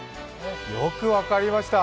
よく分かりました。